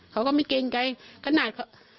เค้าก็ไม่เกลียดใกล้ขนาด